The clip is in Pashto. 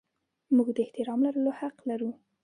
موږ د احترام لرلو حق لرو.